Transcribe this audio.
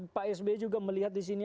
pak sby juga melihat di sini